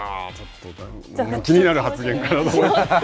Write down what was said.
気になる発言が。